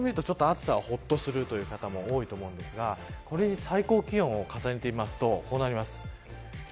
これを見ると暑さはほっとするという方も多いと思うんですがこれに最高気温を重ねて見るとこうなります。